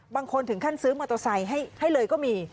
บางคนถึงขั้นซื้อมอเตอร์ไซค์ให้เลยก็มี